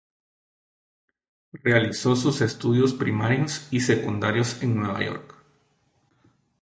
Realizó sus estudios primarios y secundarios en Nueva York.